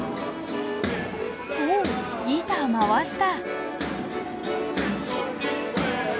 おおギター回した。